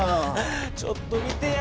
ちょっと見てや！